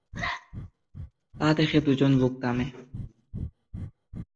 তা দেখে দু'জন লোক থামে।